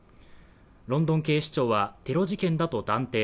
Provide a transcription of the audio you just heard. ロンドン警視庁は、テロ事件だと断定。